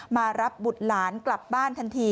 มารับบุตรหลานกลับบ้านทันที